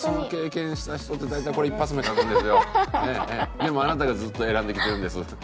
でもあなたがずっと選んできてるんです。